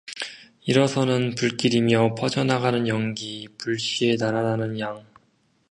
일어서는 불길이며, 퍼져 나가는 연기, 불씨의 날아나는 양